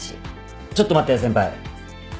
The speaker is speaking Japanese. ちょっと待って先輩。